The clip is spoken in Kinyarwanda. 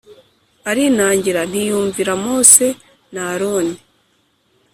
arinangira ntiyumvira Mose na Aroni